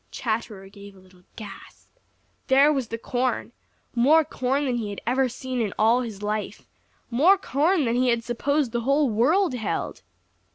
Chatterer gave a little gasp. There was the corn, more corn than he ever had seen in all his life, more corn than he had supposed the whole world held!